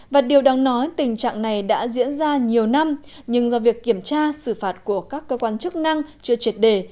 và điều đáng nói tình trạng này đã diễn ra nhiều năm nhưng do việc kiểm tra xử phạt của các cơ quan chức năng chưa triệt đề